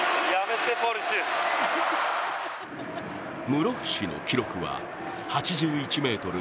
室伏の記録は、８１ｍ２４。